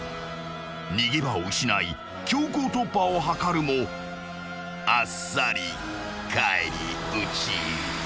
［逃げ場を失い強行突破をはかるもあっさり返り討ち］